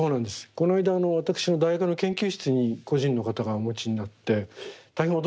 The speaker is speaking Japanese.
この間私の大学の研究室に個人の方がお持ちになって大変驚いたんですけども。